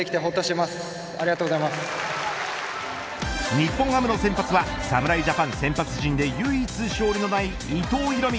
日本ハムの先発は侍ジャパン先発陣で唯一、勝利のない伊藤大海。